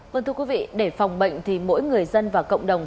vâng thưa quý vị để phòng bệnh thì mỗi người dân và cộng đồng